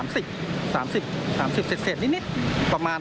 ๓๐๓๐เสดนิด